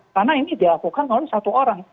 karena ini dilakukan oleh satu orang